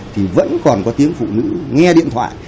thì vẫn còn có tiếng phụ nữ nghe điện thoại